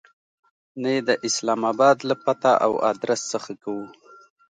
نه یې د اسلام آباد له پته او آدرس څخه کوو.